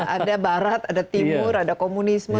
ada barat ada timur ada komunisme